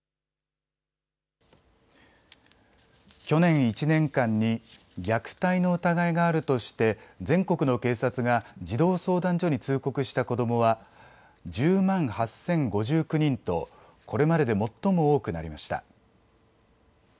去年１年間に虐待の疑いがあるとして全国の警察が児童相談所に通告した子どもは１０万８０５９人とこれまでで最も多くなりました。